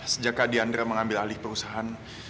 sejak kadiandra mengambil alih perusahaan